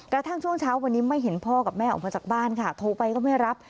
กระทั่งช่วงเช้าวันนี้ไม่เห็นพ่อกับแม่ออกมาจากบ้านค่ะโทรไปก็ไม่รับ